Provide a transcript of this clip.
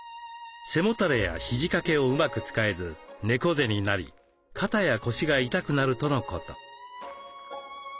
背もたれや肘かけをうまく使えず猫背になり肩や腰が痛くなるとのこと。